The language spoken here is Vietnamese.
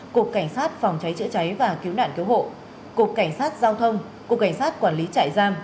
cục cảnh sát phòng cháy chữa cháy và cứu nạn cứu hộ cục cảnh sát giao thông cục cảnh sát quản lý trại giam